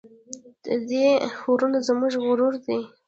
د دې غرونه زموږ غرور دی؟